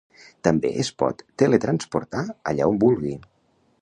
També es pot teletransportar allà on vulgui.